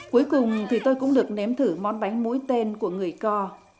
cuối cùng thì tôi cũng được ném thử món bánh mũi tên của người co